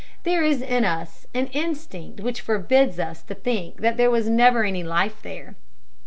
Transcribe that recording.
There is in us an instinct which forbids us to think that there was never any life there.